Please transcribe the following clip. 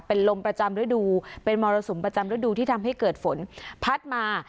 เป็นลมประจำฤดูเป็นมรสุมประจำฤดูที่ทำให้เกิดฝนพัดมา